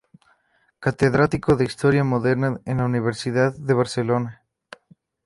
Catedrático de Historia Moderna en la Universidad de Barcelona.